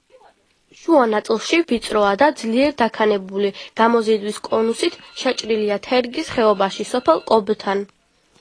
შუა ნაწილში ვიწროა და ძლიერ დაქანებული, გამოზიდვის კონუსით შეჭრილია თერგის ხეობაში სოფელ კობთან.